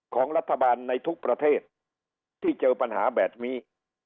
ของรัฐบาลในทุกประเทศที่เจอปัญหาแบบนี้